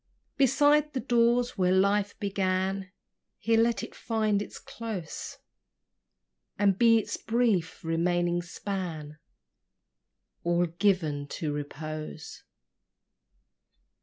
Beside the doors where life began Here let it find its close; And be its brief, remaining span All given to repose.